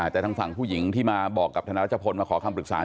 แต่ทางฝั่งผู้หญิงที่มาบอกกับธนารัชพลมาขอคำปรึกษา